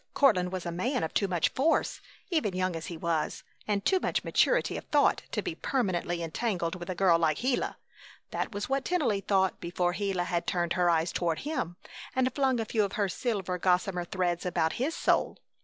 Courtland was a man of too much force, even young as he was, and too much maturity of thought, to be permanently entangled with a girl like Gila. That was what Tennelly thought before Gila had turned her eyes toward him and flung a few of her silver gossamer threads about his soul.